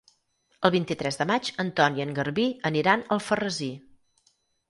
El vint-i-tres de maig en Ton i en Garbí aniran a Alfarrasí.